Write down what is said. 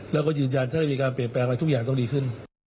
แล้วก็ยืนยันถ้ามีการเปลี่ยนแปลงอะไรทุกอย่างต้องดีขึ้น